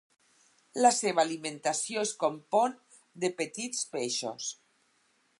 La seva alimentació es compon de petits peixos.